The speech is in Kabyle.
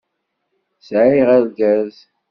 Sɛiɣ argaz.